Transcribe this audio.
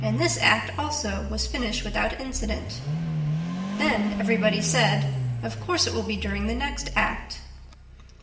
And this act also was finished without incident. Then everybody said: "Of course, it will be during the next act."